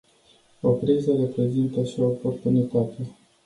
O criză reprezintă și o oportunitate.